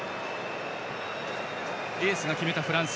エースが決めたフランス。